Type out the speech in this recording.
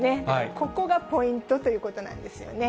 ここがポイントということなんですよね。